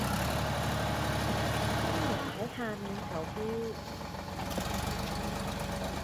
歡迎喺下面投票